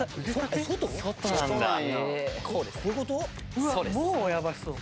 うわっもうやばそう。